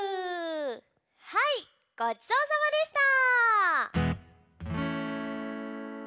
はいごちそうさまでした！